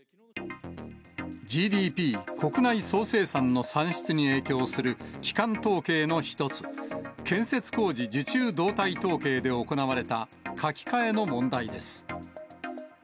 ＧＤＰ・国内総生産の算出に影響する、基幹統計の一つ、建設工事受注動態統計で行われた書き換えの問題です。